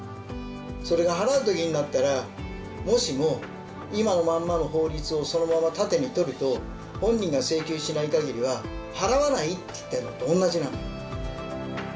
それが払う時になったらもしも今のまんまの法律をそのまま盾にとると本人が請求しないかぎりは「払わない」って言ってるのと同じなの。